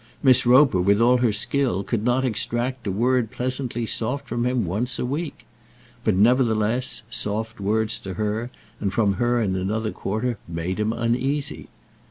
Miss Roper, with all her skill, could not extract a word pleasantly soft from him once a week. But, nevertheless, soft words to her and from her in another quarter made him uneasy.